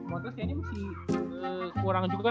montres kayaknya masih kurang cukup